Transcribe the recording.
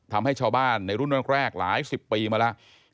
ทำให้ชาวบ้านในรุ่นแรกหลายสิบปีมาแล้ว